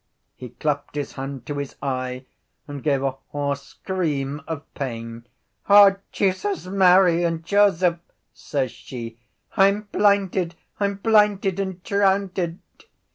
He clapped his hand to his eye and gave a hoarse scream of pain. —_O Jesus, Mary and Joseph!_ says she. _I’m blinded! I’m blinded and drownded!